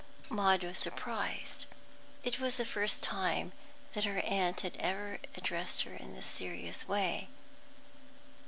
Maud was surprised. It was the first time that her aunt had ever addressed her in this serious way.